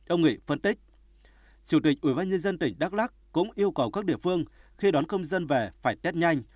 ông nghị phân tích chủ tịch ubnd tỉnh đắk lắc cũng yêu cầu các địa phương khi đón công dân về phải test nhanh